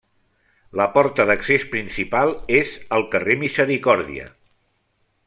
La porta d'accés principal és al carrer Misericòrdia.